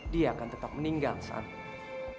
dia akan tetap meninggal seandainya